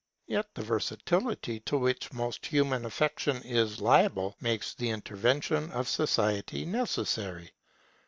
Yet the versatility to which most human affection is liable makes the intervention of society necessary.